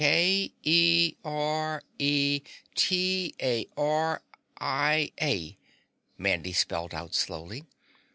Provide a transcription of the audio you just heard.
"K E R E T A R I A," Mandy spelled out slowly.